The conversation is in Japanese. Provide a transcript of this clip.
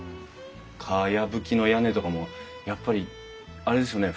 かやぶきの屋根とかもやっぱりあれですよね。